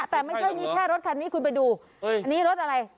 แต่ไม่ใช่มีแค่รถคันนี้คุณไปดูอันนี้รถอะไร